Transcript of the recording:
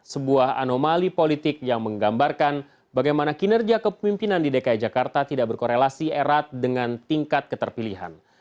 sebuah anomali politik yang menggambarkan bagaimana kinerja kepemimpinan di dki jakarta tidak berkorelasi erat dengan tingkat keterpilihan